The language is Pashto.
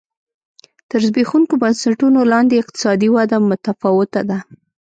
تر زبېښونکو بنسټونو لاندې اقتصادي وده متفاوته ده.